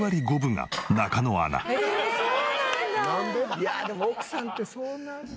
いやあでも奥さんってそうなるんだ。